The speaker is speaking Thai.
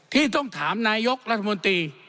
ที่ต้องถามนายกรัฐมนตรี